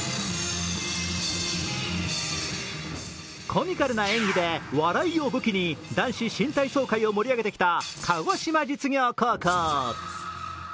コミカルな演技で、笑いを武器に男子新体操界を盛り上げてきた鹿児島実業高校。